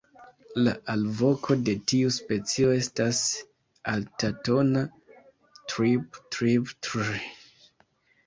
La alvoko de tiu specio estas altatona "triiip-triip-trrrrrr".